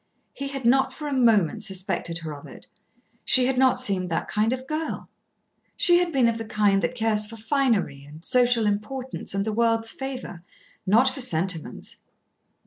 He had not for a moment suspected her of it. She had not seemed that kind of girl. She had been of the kind that cares for finery and social importance and the world's favour, not for sentiments.